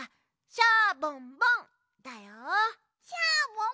シャボンボン？